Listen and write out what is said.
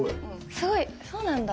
すごいそうなんだ。